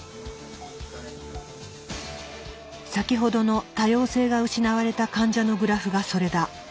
先ほどの多様性が失われた患者のグラフがそれだ。